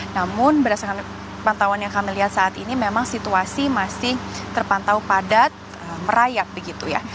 namun berdasarkan pantauan yang kami lihat saat ini memang situasi masih terpantau padat merayap begitu ya